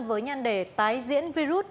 với nhân đề tái diễn virus